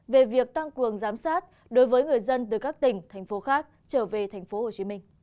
về việc tăng cường giám sát đối với người dân từ các tỉnh thành phố khác trở về tp hcm